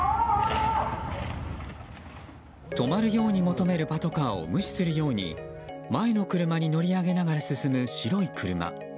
止まるように求めるパトカーを無視するように前の車に乗り上げながら進む白い車。